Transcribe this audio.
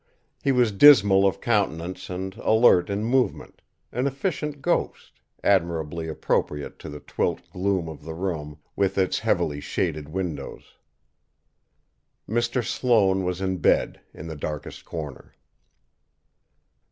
He was dismal of countenance and alert in movement, an efficient ghost, admirably appropriate to the twilit gloom of the room with its heavily shaded windows. Mr. Sloane was in bed, in the darkest corner.